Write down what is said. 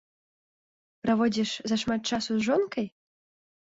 Праводзіш зашмат часу з жонкай?